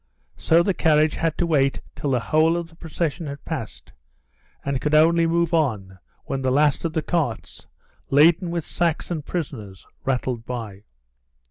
So the carriage had to wait till the whole of the procession had passed, and could only move on when the last of the carts, laden with sacks and prisoners, rattled by.